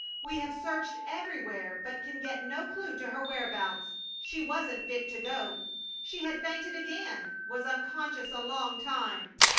We have searched everywhere, but can get no clue to her whereabouts. She wasn't fit to go. She had fainted again was unconscious a long time.